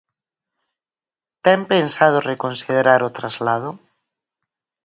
¿Ten pensado reconsiderar o traslado?